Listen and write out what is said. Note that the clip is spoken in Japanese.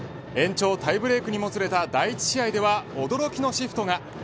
延長タイブレークにもつれた第１試合では驚きのシフトが。